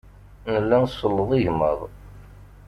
Nella nselleḍ igmaḍ.